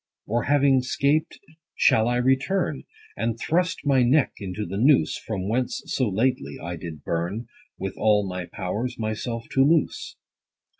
Or having 'scaped shall I return, And thrust my neck into the noose, From whence so lately, I did burn, With all my powers, myself to loose